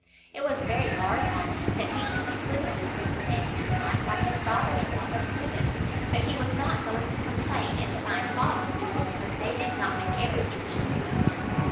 It was very hard upon him that he should be put at this disadvantage in life by his father's want of prudence; but he was not going to complain and to find fault with people because they did not make everything easy for him.